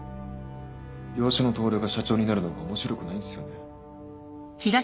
養子の透が社長になるのが面白くないんすよね？